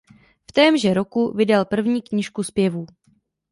V témže roce vydal první knížku zpěvů.